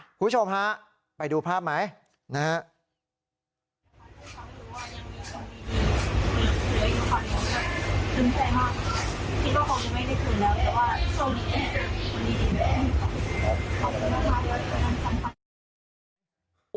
คุณผู้ชมฮะไปดูภาพไหมนะฮะ